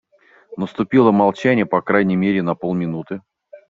Наступило молчание по крайней мере на полминуты.